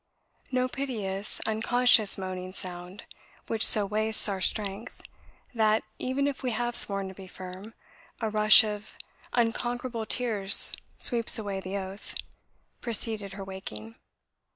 ... "No piteous, unconscious moaning sound which so wastes our strength that, even if we have sworn to be firm, a rush of unconquerable tears sweeps away the oath preceded her waking.